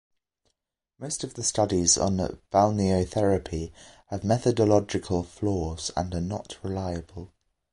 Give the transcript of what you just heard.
Most of the studies on balneotherapy have methodological flaws and are not reliable.